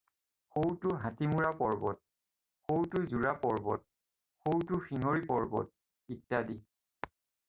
“সেইটো হাতীমূৰা পৰ্বত। সৌটো যোৰা পৰ্বত। সৌটো শিঙ্গৰি পৰ্বত।” ইত্যাদি।